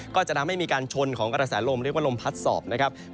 ก็จะทำให้มีการชนของกระแสลมเรียกว่าลมพัดสอบนะครับ